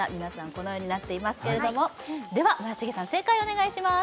このようになっていますけれどもでは村重さん正解をお願いします